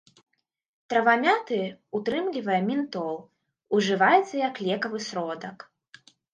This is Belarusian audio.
Трава мяты ўтрымлівае ментол, ужываецца як лекавы сродак.